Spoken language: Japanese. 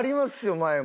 前も。